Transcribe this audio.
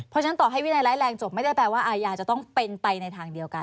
เพราะฉะนั้นต่อให้วินัยร้ายแรงจบไม่ได้แปลว่าอาญาจะต้องเป็นไปในทางเดียวกัน